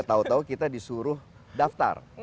tahu tahu kita disuruh daftar